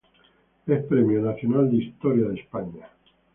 Es Premio Nacional de Historia de España.